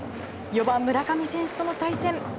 ４番、村上選手との対戦。